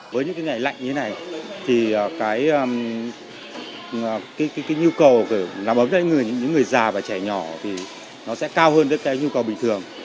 với những ngày lạnh như thế này thì cái nhu cầu đảm bảo cho những người già và trẻ nhỏ thì nó sẽ cao hơn những nhu cầu bình thường